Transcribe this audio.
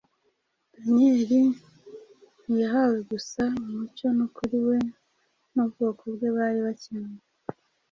Daniyeli ntiyahawe gusa umucyo n’ukuri we n’ubwoko bwe bari bakeneye,